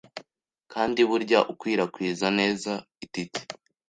Kandi burya ukwirakwiza neza itike